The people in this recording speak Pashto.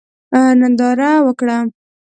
ننداره وکړه.